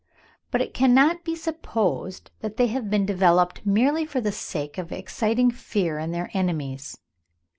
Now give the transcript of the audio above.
but it cannot be supposed that they have been developed merely for the sake of exciting fear in their enemies.